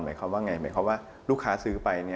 หมายความว่าไงหมายความว่าลูกค้าซื้อไป